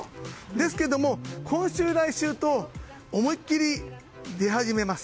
ですけども今週、来週と思い切り出始めます。